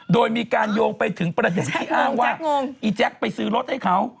โดยมีการโยงไปถึงประเด็นที่อ้างว่าอีแจ๊คไปซื้อรถให้เขา